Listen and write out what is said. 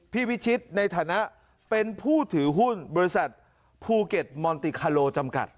วิชิตในฐานะเป็นผู้ถือหุ้นบริษัทภูเก็ตมอนติคาโลจำกัด